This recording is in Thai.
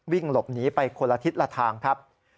วิ่งหลบหนีไปคนละทิศละทางครับ